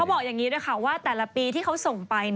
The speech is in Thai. บอกอย่างนี้ด้วยค่ะว่าแต่ละปีที่เขาส่งไป